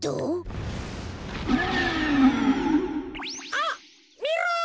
あっみろ！